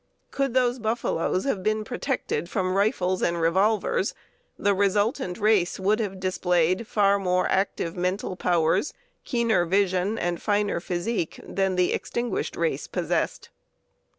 Could those buffaloes have been protected from rifles and revolvers the resultant race would have displayed far more active mental powers, keener vision, and finer physique than the extinguished race possessed.